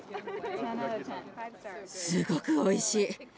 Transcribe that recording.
すごくおいしい。